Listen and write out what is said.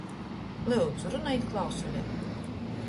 Lyudzu, runojit klausulē!